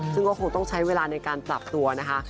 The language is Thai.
ซึ่งก็คงต้องใช้เวลาในการปรับตัวนะคะ